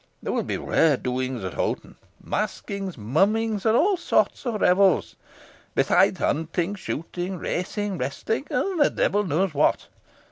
There will be rare doings at Hoghton masquings, mummings, and all sorts of revels, besides hunting, shooting, racing, wrestling, and the devil knows what.